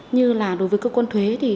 như là đối với cơ quan thuế